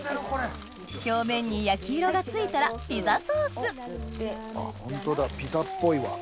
表面に焼き色がついたらピザソースホントだピザっぽいわ。